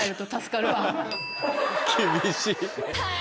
厳しい。